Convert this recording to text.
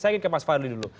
saya ingin ke mas fadli dulu